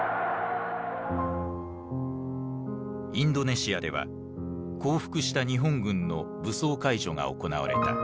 インドネシアでは降伏した日本軍の武装解除が行われた。